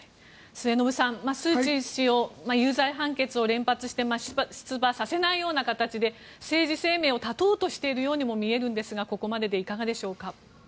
末延さん、スー・チー氏を有罪判決を連発して出馬させないような形で政治生命を断とうとしているようにも見えるんですがここまででいかがでしょうか？